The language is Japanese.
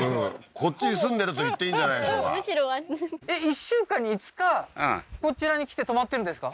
こっちに住んでると言っていいんじゃないでしょうかむしろ１週間に５日こちらに来て泊まってるんですか？